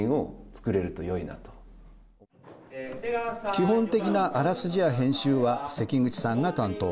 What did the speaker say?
基本的なあらすじや編集は関口さんが担当。